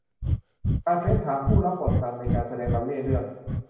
การเฟ้นหาผู้รับบทนำในการแสดงบัลเลต์เรื่อง